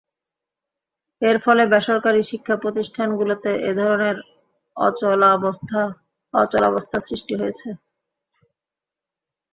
এর ফলে বেসরকারি শিক্ষাপ্রতিষ্ঠানগুলোতে একধরনের অচলাবস্থার সৃষ্টি হয়েছে।